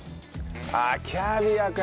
あっキャビアか。